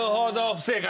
不正解。